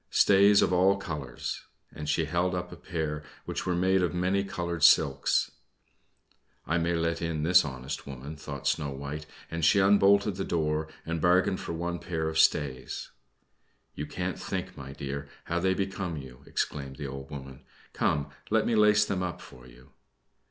"Stays of all colors." And she held up a pair which were made of many colored silks. "I may let in this honest woman," thought Snow White; and she unbolted the door and bargained for one pair of stays. "You can't think, my dear, how they become you!" exclaimed the old woman. "Come, let me lace them up for you."